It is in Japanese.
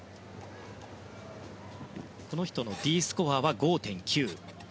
この人のＤスコアは５．９。